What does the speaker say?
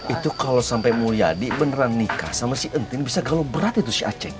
itu kalau sampai mulia di beneran nikah sama si entin bisa galau berat itu si acek